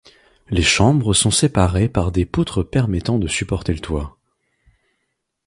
Les chambres sont séparées par des poutres permettant de supporter le toit.